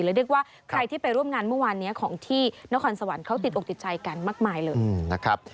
และเรียกว่าใครที่ไปร่วมงานเมื่อวานนี้ของที่นครสวรรค์เขาติดอกติดใจกันมากมายเลยนะครับ